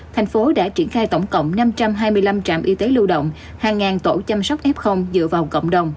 tp hcm đã triển khai tổng cộng năm trăm hai mươi năm trạm y tế lưu động hàng ngàn tổ chăm sóc f dựa vào cộng đồng